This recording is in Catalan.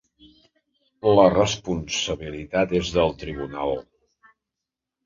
La responsabilitat és del tribunal.